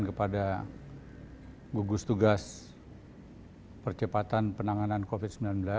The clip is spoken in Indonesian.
kepada gugus tugas percepatan penanganan covid sembilan belas